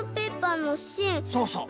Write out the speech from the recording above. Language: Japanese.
そうそう。